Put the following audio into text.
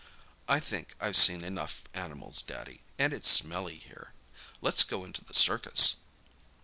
I think I've seen enough animals, Daddy, and it's smelly here. Let's go into the circus."